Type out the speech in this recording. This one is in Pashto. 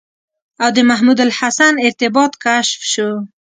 او د محمودالحسن ارتباط کشف شو.